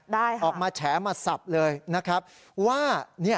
ได้ค่ะออกมาแฉมาสับเลยนะครับว่าเนี่ย